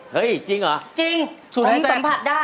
เฮ่ยจริงเหรอจริงสนับสนุนสัมผัสได้